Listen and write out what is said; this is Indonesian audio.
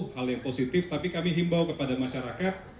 hal yang positif tapi kami himbau kepada masyarakat